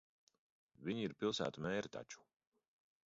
Viņi ir pilsētu mēri taču.